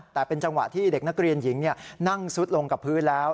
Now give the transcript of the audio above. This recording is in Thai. แต่เป็นจังหวะที่เด็กนักเรียนหญิงนั่งซุดลงกับพื้นแล้ว